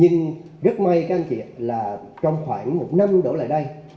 nhưng rất may các anh chị là trong khoảng một năm đổ lại đây